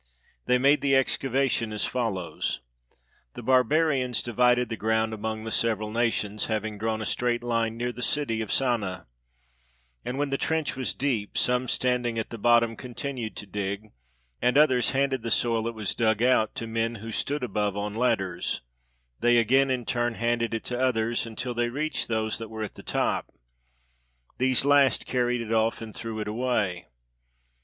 They made the excavation as follows : the barbarians 348 XERXES SETS OUT TO CONQUER GREECE divided the ground among the several nations, having drawn a straight Une near the city of Sana ; and when the trench was deep, some standing at the bottom con tinued to dig, and others handed tlie soil that was dug out to men who stood above on ladders ; they again in turn handed it to others, until they reached those that were at the top; these last carried it off and threw it away.